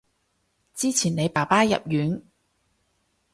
之前你爸爸入院